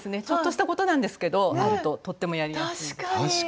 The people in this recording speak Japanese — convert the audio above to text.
ちょっとしたことなんですけどあるととってもやりやすい。